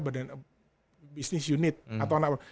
business unit atau anak anak